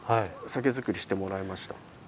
酒造りしてもらいました。